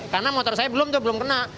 karena motor saya belum tuh belum kena